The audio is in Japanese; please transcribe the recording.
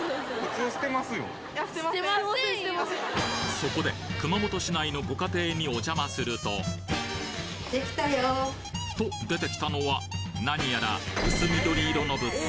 そこで熊本市内のご家庭にお邪魔するとできたよ。と出てきたのは何やら薄緑色の物体